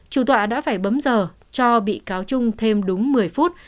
chủ tọa đã phải bấm giờ cho bị cáo trung thêm đúng một mươi phút